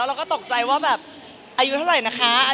แล้วเราก็ตกใจว่าแบบอายุเท่าไหร่นะคะอายุ๒๒๒๓